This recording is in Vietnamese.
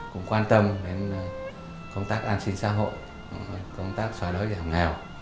cũng quan tâm đến công tác an sinh xã hội công tác xóa đói giảm nghèo